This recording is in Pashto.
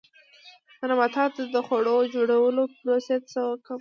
د نباتاتو د خواړو جوړولو پروسې ته څه وایي